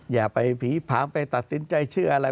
อย่าไปผีผางไปตัดสินใจเชื่ออะไร